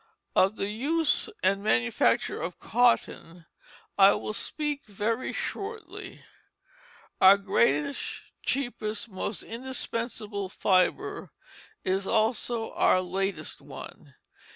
Of the use and manufacture of cotton I will speak very shortly. Our greatest, cheapest, most indispensable fibre is also our latest one.